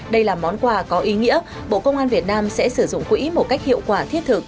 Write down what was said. đây là món quà có ý nghĩa bộ công an việt nam sẽ sử dụng quỹ một cách hiệu quả thiết thực